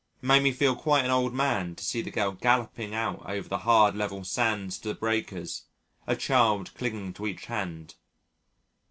It made me feel quite an old man to see the girl galloping out over the hard level sands to the breakers, a child clinging to each hand.